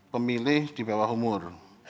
pemilih di bawah umur